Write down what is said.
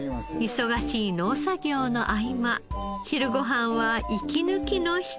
忙しい農作業の合間昼ご飯は息抜きのひととき。